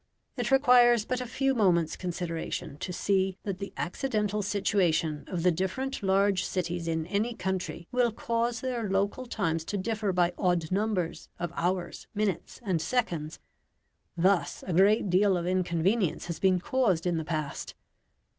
It requires but a few moments' consideration to see that the accidental situation of the different large cities in any country will cause their local times to differ by odd numbers of hours, minutes, and seconds. Thus a great deal of inconvenience has been caused in the past.